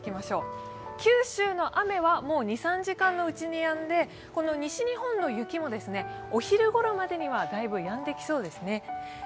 九州の雨は、もう２３時間のうちにやんで、西日本の雪もお昼ごろまでにはだいぶやんできそうですね。